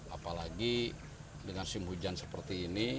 apalagi dengan musim hujan seperti ini